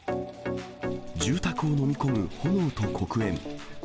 住宅を飲み込む炎と黒煙。